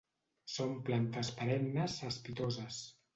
Són plantes perennes cespitoses.